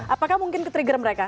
apakah mungkin ketrigger mereka